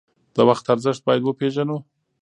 د وخت ارزښت باید وپیژنو.